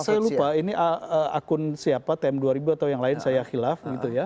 saya lupa ini akun siapa tm dua ribu atau yang lain saya hilaf gitu ya